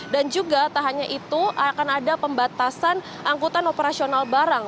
dan juga tak hanya itu akan ada pembatasan angkutan operasional barang